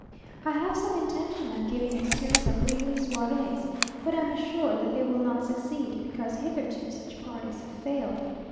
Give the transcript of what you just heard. I have some intention of giving a series of weekly soirées, but am assured that they will not succeed, because hitherto such parties have failed.